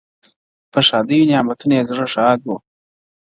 په ښاديو نعمتونو يې زړه ښاد وو.!